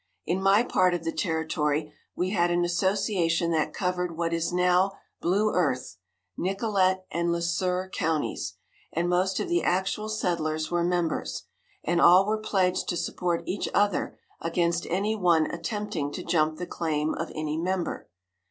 In my part of the territory we had an association that covered what is now Blue Earth, Nicollet and Le Sueur counties, and most of the actual settlers were members, and all were pledged to support each other against any one attempting to jump the claim of any member.